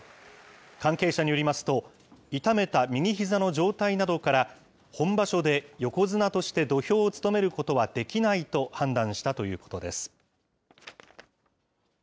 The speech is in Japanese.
関係者によりますと、痛めた右ひざの状態などから、本場所で横綱として土俵を務めることはできないと判断したということです。